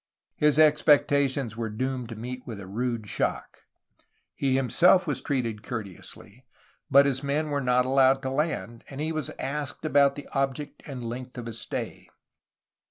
His expectations were doomed to meet with a rude shock. He himself was treated courteously, but his men were not allowed to land, and he was asked about the object and length of his stay.